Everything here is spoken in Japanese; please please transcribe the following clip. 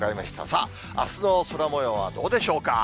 さあ、あすの空もようはどうでしょうか。